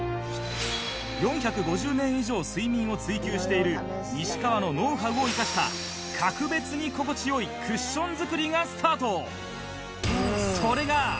４５０年以上睡眠を追求している西川のノウハウを生かした格別に心地良いクッション作りがスタート